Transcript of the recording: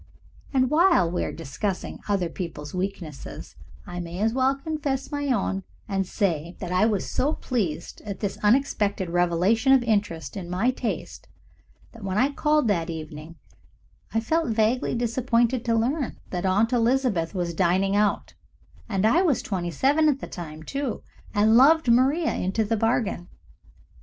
And while we are discussing other people's weaknesses I may as well confess my own, and say that I was so pleased at this unexpected revelation of interest in my tastes that when I called that evening I felt vaguely disappointed to learn that Aunt Elizabeth was dining out and I was twenty seven at the time, too, and loved Maria into the bargain!